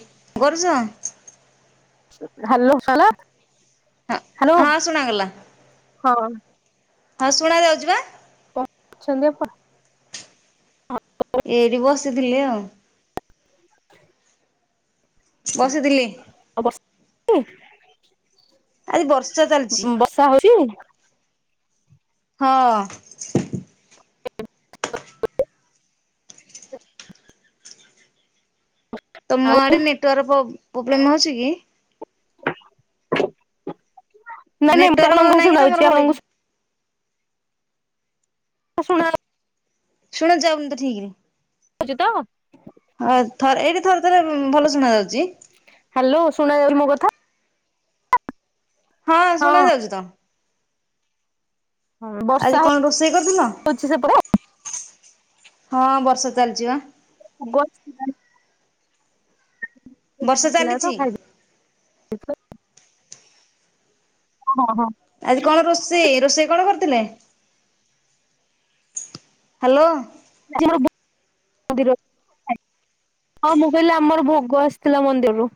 [inaudible] କରୁଛ। [unintelligible] ହେଲୋ ହଁ ହଁ ଶୁଣାଗଲା, ହଁ ହଁ ଶୁଣାଯାଉଛି ବା। ଚନ୍ଦପୁର ଏଇଠି ବସିଥିଲି ଆଉ। ବସିଥିଲେ। ଆଜି ବର୍ଷା ଚାଲିଛି [unintelligible] ବର୍ଷା ହେଉଛି। ହଁ। ତ ମୋ ଆଉ ଆଡ଼େ ନେଟୱାର୍କ ପ୍ରୋ -ପ୍ରୋବ୍ଲେମ ହେଉଛି କି। [inaudible] ନାଇଁ ନାଇଁ ମୁଁତେ ଆପଣଙ୍କୁ ନେଟୱାର୍କ କଣ ନାହିଁ କି ଶୁଣାଉଛି ତମର ଭଲ କି ଆପଣଙ୍କୁ- ଶୁଣ ଶୁଣା ଯାଉନି ତ ଠିକ ରେ। କରୁଛତା ହଁ ଥ ଏଇଠି ଥରେ ଥରେ ଭଲ ଶୁଣା ଯାଉଛି। ହେଲୋ ଶୁଣା ଯାଉଛି ମୋର କଥା। ହଁ ଶୁଣା ଯାଉଛି ତ। ବର୍ଷା ଆଜି କଣ ରୋଷେଇ କରିଥିଲ। ହଉଛି ସେପଟେ? ହଁ ବର୍ଷା ଚାଲିଛିବା। [unintelligible] ବର୍ଷା ଆସିଥିଲା ତ ଚାଲିଛି। ଖାଇଦେଲି। ହଁ ହଁ। ଆଜି କଣ ରୋଷେଇ ରୋଷେଇ କଣ କରିଥିଲେ। ହେଲୋ। [unintelligible] ହଁ ମୁଁ କହିଲି ଆମର ଭୋଗ ଆସିଥିଲା ମନ୍ଦିରରୁ।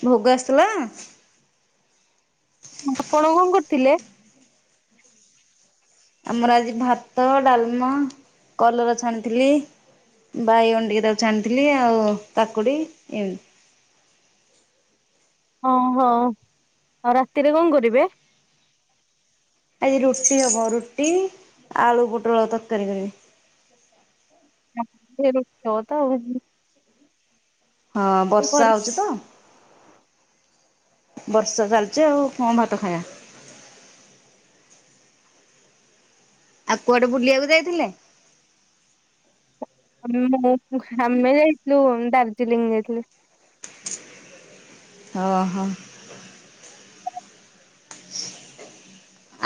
ଭୋଗ ଆସିଥିଲା ଆପଣ କଣ କରଥିଲେ। ଆମର ଆଜି ଭାତ ଡାଲମା କଲରା ଛାଣିଥିଲି। ବାଇଗଣ ଟିକେ ତାକୁ ଛାଣିଥିଲି ଆଉ କାକୁଡି ଏମିତି ଅଁ ହୋ ଅ ରାତିରେ କଣ କରିବେ? ଆଜି ରୁଟି ହବ ରୁଟି, ଆଳୁ ପୋଟଳ ତରକାରୀ କରିବି। [unintelligible] ହଁ ବର୍ଷା ଘରେ ହୋଉଚି ତ। ବର୍ଷା ଚାଲିଚି ଆଉ କଣ ଭାତ ଖାଇବା? ଆଉ କୁଆଡେ ବୁଲିବାକୁ ଯାଇଥିଲେ? [unintelligible] ଆମେ ଯାଇଥିଲୁ ଦାର୍ଜିଲିଂ ଯାଇଥିଲୁ। ଓହୋ।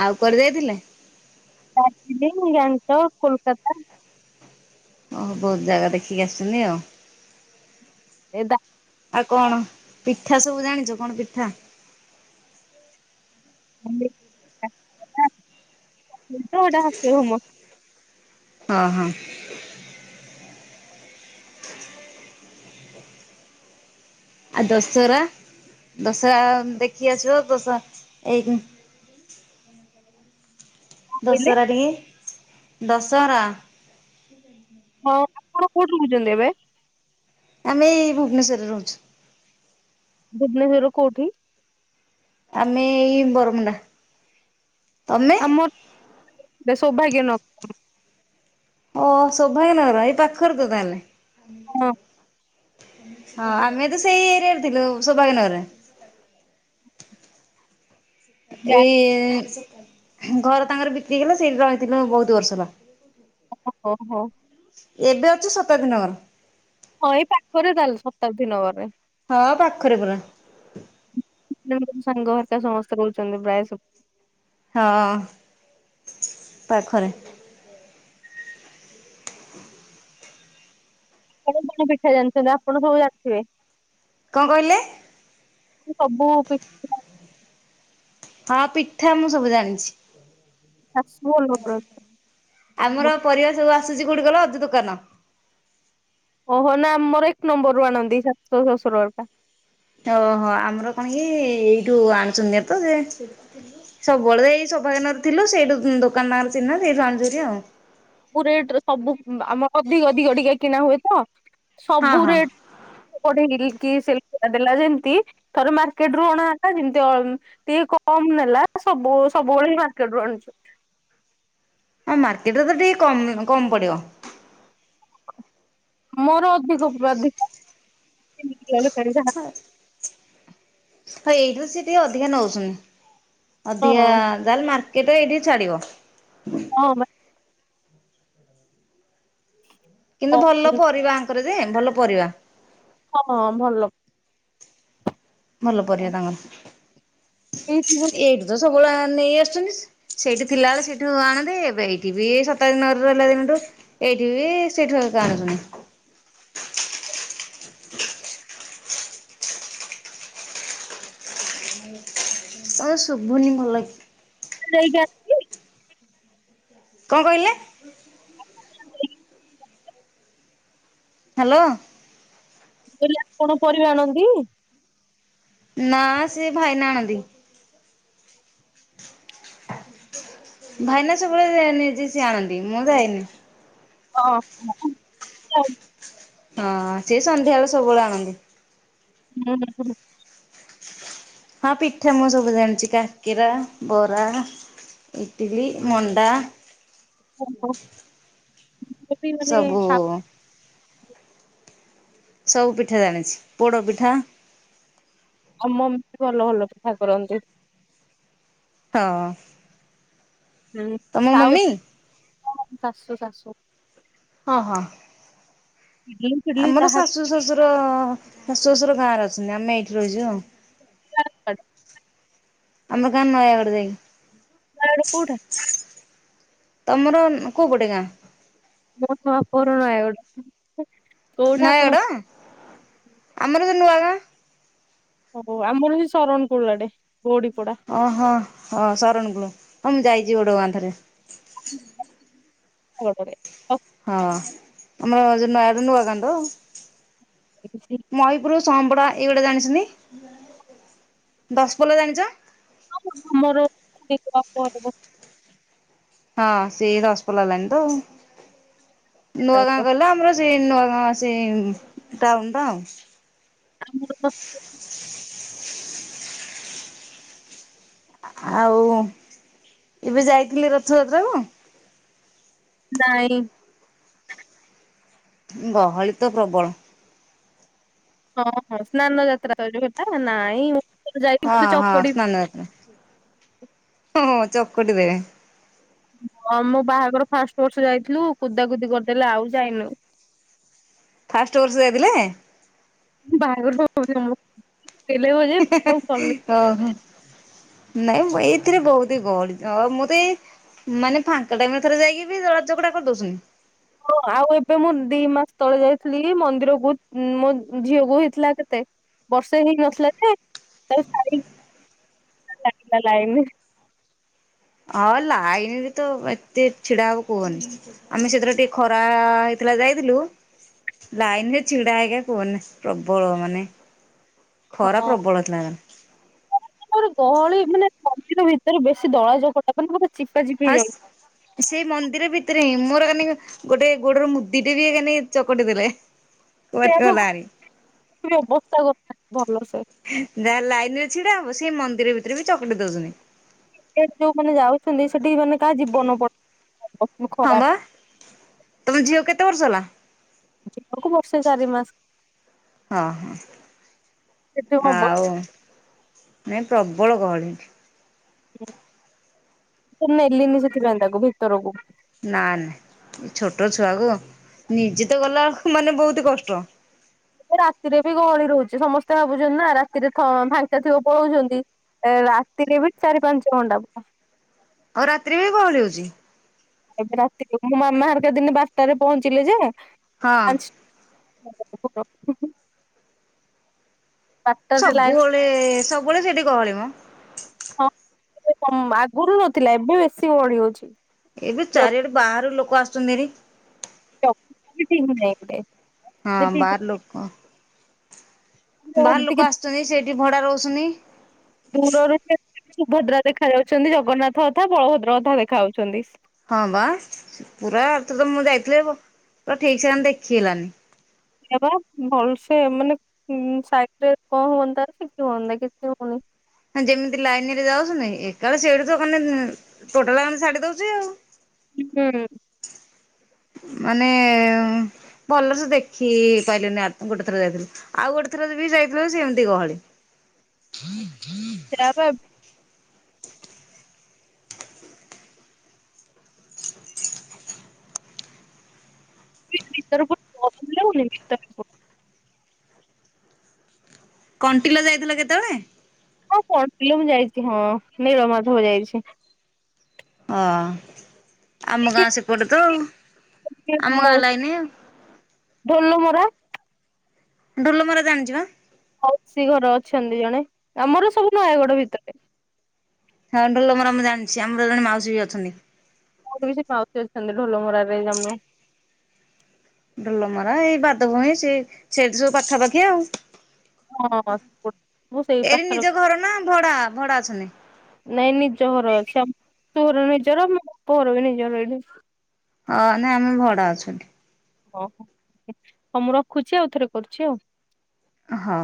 ଆଉ କୁଆଡ଼େ ଯାଇଥିଲେ? ଦାର୍ଜିଲିଂ, ଗ୍ୟାଟକ, କୋଲକାତା। ଓ ବହୁତ ଜାଗା ଦେଖିକି ଆସିଚନି ଆଉ। ଏଇ ଦା ଆଉ କଣ? ପିଠା ସବୁ ଜାଣିଚୁ କଣ ପିଠା? [unintelligible] ହଁ ହଁ। ଆ ଦଶହରା ଦଶ ଦେଖି ଆସବାବ ଦଶ ଦଶରା ଏଇ- କହିଲେ ଦଶହରା ଟିକେ ଦଶହରା। ହଁ ଆପଣ କୋଉଠି ରହୁଚନ୍ତି ଏବେ? ଆମେ ଏଇ ଭୁବନେଶ୍ୱରରେ ରହୁଚୁ। ଭୁବନେଶ୍ୱର କୋଉଠି? ଆମେ ଏଇ ବରମୁଣ୍ଡା ତମେ? ଆମର୍ ସୌଭାଗ୍ୟ ନ ଓ ସୌଭାଗ୍ୟ ନଗର ଏଇ ପାଖରେ ତ ତାହେଲେ ହଁ। ହଁ ଆମେ ତ ସେଇ ଏରିଆ ରେ ଥିଲୁ ସୌଭାଗ୍ୟ ନଗରରେ। ଜାଣିଲି। ଏଇ ଘର ତାଙ୍କର ବିକ୍ରି ହେଲା ସେଇଟି ରହିଥିଲୁ ବହୁତ ବର୍ଷ ହେଲା। ଓ ହୋ ହୋ। ଏବେ ଅଛୁ ଶତାଦ୍ଦିନଗର। ହଁ ଏଇ ପାଖରେ ତାହେଲେ ଶତାବ୍ଦୀ ନଗରେ। ହଁ ପାଖରେ ପୁରା। ଯେମିତିସାଙ୍ଗ ହେରିକା ସମସ୍ତେ ରହୁଚନ୍ତି ପ୍ରାୟେ ସବୁ। ହଁ ପାଖରେ। କଣ କଣ ପିଠା ଜାଣିଚନ୍ତି ଆପଣ ବହୁତ ଜାଣିଥିବେ। କଣ କହିଲେ? ସବୁ ପି ହଁ ପିଠା ମୁଁ ସବୁ ଜାଣିଛି। ଶାଶୁ ଭଲ କରନ୍ତି। ଆମର ମତେ ପରିବା ସବୁ ଆସୁଚି କୋଉଠି କହିଲ ଅଜୁ ଦୋକାନ। ଓହୋ ନା ଆମର ଏକ ନମ୍ବରରୁୁ ଆଣନ୍ତି ସାଶୁ ଶଶୁର ହେରିକା। ଓହୋ ଆମର କଣ କି ଏଇଠୁ ଆଣୁଚନ୍ତି ତ ଯେ ସବୁବେଳେ ଏଇ ଶୌଭାଗ୍ୟନଗର ଥିଲୁ ସେଇଟୁ ଦୋକାନ ତାଙ୍କରଚିହ୍ନା ସେଇଟୁ ଆଣୁଚୁନ୍ତି ଆଉ। ସବୁ ରେଟରେ ସବୁ ଆମ ଅଧିକ ଅଧିକ ଟିକେ କିଣା ହୁଏ ତ ହଁ ସବୁ ହଁ ରେଟ୍ କଢେଇଗିରିକିସେଲଫଟା ଦେଲା ଯେ ଏମିତି ଥରେ ମାର୍କେଟ ରୁ ଅଣା ହେଲା ଯେମିତି ଅଁ ଟିକେ କମ ନେଲା ସବୁ ସବୁବେଳେ ମାର୍କେଟ ରୁ ଆଣୁଛୁ। ଅଁ ମାର୍କେଟରେ ତ ଟିକେ କମ କମ ପଡିବ। ମୋର ଅଧିକ ଉପ ଅଧିକ [unintelligible] [unintelligible] ଆଁ ଏଇଠୁ ସେଟିକେ ଅଧିକା ନଉଛନ୍। ହଁ ଅଧିକା ଯାହେଲେ ମାର୍କେଟ ଏଇଠିକି ଛାଡ଼ିବ। ହଁବା କିନ୍ତୁ ଭଲ ପରିବା ଆଙ୍କରଯେ ଭଲ ପରିବା। ହଁ ଭଲ। ଭଲ ପରିବା ଏଇଠି ଯୋଉ ତାଙ୍କର ଏଇଠୁତ ସବୁବେଳେ ନେଇ ଆସୁଚନ୍ତି। ସେଇଠି ଥିଲାବେଳେ ସେଇଠୁ ଆଣନ୍ତି ଏବେ ଏଇଠିବି ସତାବ୍ଦୀନଗ ରହିଲାଦିନଠୁ ଏଇଠିବି ସେଇଠି ଏକା ଆଣୁଚନ୍ତି। [inaudible] ତମ ଶୁବୁନି ଭଲକି। ସେଇ କା କଁ କହିଲେ? ଆଣିଲି ହାଲୋ। ମୁଁକହିଲି ଆପଣପରିବା ଆଣନ୍ତି? ନା ସିଏ ଭାଇନା ଆଣନ୍ତି। ଭାଇନା ସବୁବେଳେ ନିଯେ ସିଏ ଆଣନ୍ତି ମୁଁ ଯାଏନି। ଓହୋ [unintelligible] ହଁ ସେସନ୍ଧ୍ୟା ବେଳେ ସବୁବେଳେ ଆଣନ୍ତି। [unintelligible] ହଁ ପିଠା ମୁଁ ସବୁ ଜାଣିଚି କାକେରା ବରା ଇଟିଲି ମଣ୍ଡା ଓହୋ ମୁବି ମାନେ ସବୁ ଶା ସବୁ ପିଠା ଜାଣିଚି ପୋଡ଼ ପିଠା ଆଉ ମମିବି ଭଲ ଭଲ ପିଠା କରନ୍ତି। ହଁ। ହୁଁ ତମ ସାଉ ମମି? ଶାଶୁ ଶାଶୁ। ହଁ ହଁ। [unintelligible] ଆମର ଶାଶୁ ଶ୍ୱଶୁର ଶାଶୁ ଶଶୁର ଗାଁରେ ଅଛନ୍ତି ଆମେ ଏଇଠି ରହିଚୁ ଆଉ। [unintelligible] ଆମ ଗାଁ ନୟାଗଡ଼ କୋଉଠା? ଯାଇକି। ତମର କୋଉପଟେ ଗାଁ? ମୋରତ ବାପଘର ନୟାଗଡ଼। କୋଉଠା ଆପଣ ନୟାଗଡ଼ ଆମରତ ନୂଆଗାଁ। ଓ ଆମରସେ ଶରଣକୁଡ଼ୁ ଆଡ଼େ ଗଡ଼ି ପଡ଼ା। ଓ ହଁ ହଁ ଶରଣକୁଳୁ ହଁ ମୁଁ ଯାଇଚି ବୋଡ଼ ବାନ୍ଥରେ। ମୁଁ ଏପଟେ ହଁ ଆମର ଯେଉ ନୟାଗଡ଼ ନୂଆ ଗାଁତ। [unintelligible] ମୟୂପୁର ସମ୍ପଡ଼ା ଏଇଗୁଡ଼ା ଜାଣିଚନ୍ତି ଦଶପଲ୍ଲା ଜାଣିଚ। ଆମର [unintelligible] ହଁ ସେଇ ରସପୋଲା ଲାଇନିତ ନୂଆ ଗାଁ କହିଲେ ଆମର ସେ ନୂଆଗାଁ ସେ ଟାଉନ୍ ଟା ଆମର ବ [unintelligible] ଆଉ ଏବେ ଯାଇଥିଲି ରଥଯାତ୍ରା କୁ ନାଇଁ ଗହଳି ତ ପ୍ରବଳ। ହଁ ହୋ ସ୍ନାନ ଯାତ୍ରା [unintelligible] ନାଇଁ ଯାଇକି ହଁ ଗୋଟେ ହଁ ଚକଡି ସ୍ନାନ ଯାତ ହ ଚକୁଟି ବେ ହଁ ମୁଁ ବାହାଘର ଫାଷ୍ଟ ବର୍ଷ ଯାଇଥିଲୁ କୁଦା କୁଦି କରିଦେଲେ ଆଉ ଯାଇନୁ। ଫାଷ୍ଟ ବର୍ଷ ଯାଇଥିଲେ। ବାହାଘର ତ [unintelligible] ଓ ନାଇଁ ମୁଁ ଏଇଥିରେ ବହୁତ ହି ଗଡି ତ ମୁଁ ତ ଏଇ ମାନେ ଫାଙ୍କା ଟାଇମ ଥରେ ଯାଇକି ବି ଦଳା ଚକଟା କରିଦଉଛନ୍ତି। ହଁ ଆଉ ଏବେ ମୁଁ ଦି ମାସ ତଳେ ଯାଇଥିଲି ମନ୍ଦିରକୁ ମୋ ଝିଅ କୁ ହେଇଥିଲା କେତେ? ବର୍ଷେ ହେଇ ନଥିଲା ଯେ, [unintelligible] ଲାଇନରେ ହଁ ଲାଇନ ବି ତ ଏତେ ଛିଡ଼ା ହବ କୁହନି। ଆମେ ସେଥିରେ ଟିକେ ଖରା ହେଇଥିଲା ଯାଇଥିଲୁ ଲାଇନ ରେ ଛିଡ଼ା ହେଇକା କୁହନି ପ୍ରବଳ ମାନେ ଖରା ହଁ ପ୍ରବଳ ଟାଣ। ଗହଳି ମାନେ ମନ୍ଦିର ଭିତରେ ବେଶୀ ଦଳାଜପଟା କ ବୋତେ ଚିପା ଚିପି ଫାଷ୍ଟ ହେଇଯାଉଛି। ସେଇ ମନ୍ଦିର ଭିତରେ ହିଁ ମୋର ଆନି ଗୋଟେ ଗୋଡ଼ର ମୁଦି ଟେ ବି ମାନେ ଚକଟି ଦେଲେ। ସେ କୁଆଡେ [unintelligible] ଗଲାଣି ଯାହା ଲାଇନ ରେ ଛିଡା ହବ ସେଇ ମନ୍ଦିର ଭିତରେ ବି ଚକଟି ଦଉଛନ୍ତି। ସେଠି ଯୋଉ ମାନେ ଯାଉଛନ୍ତି ସେଠି ମାନେ କାହା ଜୀବନ ପଡ ହଁ ଖରାପ। ବା ତମ ଝିଅ କେତେ ବର୍ଷ ହେଲା? ଯିବାକୁ ବର୍ଷେ ଚାରି ମାସ ହଁ ହଁ ସେଠି ହବ ଆଉ ନାଇଁ ପ୍ରବଳ ଗହଳି। ହଁ ନେଲିନି ସେଥିପାଇଁ ତାକୁ ଭିତରକୁ। ନା ନାଇ ଏ ଛୋଟ ଛୁଆକୁ ନିଜେ ତ ଗଲାକୁ ମାନେ ବହୁତ କଷ୍ଟ ରାତିରେ ବି ଗହଳି ରହୁଛି। ସମସ୍ତେ ଭାବୁଛନ୍ତି ନା ରାତିରେ ଫାଙ୍କା ଥିବ ପଳଉଛନ୍ତି ରାତିରେ ବି ଚାରି ପାଞ୍ଚ ଖଣ୍ଡା ପାଇଁ ଆଉ ରାତିରେ ବି ଗହଳି ହଉଛି? ଏବେ ରାତିରେ ମୋ ମାମା ହରକା ଦିନେ ବାରଟାରେ ପହଞ୍ଚିଲେ ଯେ ହଁ [unintelligible] ଅ ସବୁବେଳେ ସବୁବେଳେ ସେଇଠି ଗହଳି ମ। ହଁ ଆଗରୁ ନଥିଲା ଏବେ ବେଶୀ ଗହଳି ହଉଛି। ଏବେ ଚାରିଆଡେ ବାହାର ଲୋକ ଆସୁଛନ୍ତି ଏଠୀ [unintelligible] ନୁହେଁ ଏପଟେ ହଁ ବାହାର ଲୋକ କରିଥାନ୍ତେ ବାହାର ଗୋଟେ ଟିକେ ଲୋକ ଆସୁଛନ୍ତି ସେଇଠି ଭଡ଼ା ରହୁଛନ୍ତି। ଦୂରରୁ ସୁଭଦ୍ରା ଦେଖା ଯାଉଛନ୍ତି ଜଗନ୍ନାଥ ଅଧା ବଳଭଦ୍ର ଅଧା ଦେଖା ଯାଉଛନ୍ତି। ହଁ ବା ପୁରା ତ ମୁଁ ଯାଇଥିଲି ପୁରା ଠିକ ସେ ଦେଖି ହେଲାନି। ଏବା ଭଲସେ ମାନେ ସାଇ ରେ କଣ ହୁଅନ୍ତା ସେ କି ହୁଅନ୍ତା କିଛି ହଉନି। ଯେମିତି ଲାଇନ ରେ ଯାଉଛୁନି ଏକାଳ ସେଠ ମାନେ ଟୋଟାଲେ ମାନେ ଛାଡ଼ି ଦଉଛି ଆଉ। ହୁଁ ମାନେ ଭଲସ ଦେଖି ପାଇଲୁନୁ ଆ ଗୋଟେ ଥର ଯାଇଥିଲୁ। ଆଉ ଗୋଟେ ଥର ବି ଯାଇଥିଲୁ ସେ ଏମିତି ଗହଳି। ସେଟା ବା ଭିତରହୁ ଭିତର [inaudible] କଣ୍ଟିଲ ଯାଇଥିଲ କେତେବେଳେ? ହଁ କଣ୍ଟିଲୋ ମୁଁ ଯାଇଛି। ହଁ, ନୀଳମାଧବ ଯାଇଛି। ହଁ, ଆମ ଗାଁ ସେପଟ ତ ଆଉ। ଆମ ମୋ ଗାଁ ଲାଇନି ଆଉ ଢ଼ୋଲ ମରା ଡୋଲମରା ଜାଣିଛି? ମାଉସୀ ଘର ଅଛନ୍ତି ଜଣେ। ଆମର ସବୁ ନୟାଗଡ ଭିତରେ। ହଁ, ଢୋଲମରା ମୁ ଜାଣିଛି ଆମର ଜଣେ ମାଉସୀ ବି ଅଛନ୍ତି। ମୋର ବି ସେ ମାଉଶି ଆଛନ୍ତି ଢୋଲମରା ରେ ଜଣେ। ଡୋଲ ମରା, ଏଇ ବାଦ ଭୂଇଁ ସେ ସେଠି ସବୁ ପାଖାପାଖି ଆଉ। ହଁ ମୁଁ ସେଇ ଏଠି ପାଖରେ ନିଜ ଘର ନା ଭଡା, ଭଡା ଅଛନ୍ତି? ନାଇଁ ନିଜ ଘର ଅଛି। [unintelligible] ଘର ନିଜର ମୋ ବାପ ଘର ବି ନିଜର ଏଇଠି। ହଁ, ନାଇଁ ଆମେ ଭଡା ଅଛୁ ଏଠି। ଓହୋ। ହଉ ମୁଁ ରଖୁଛି। ଆଉ ଥରେ କରୁଛି ଆଉ। ହଁ।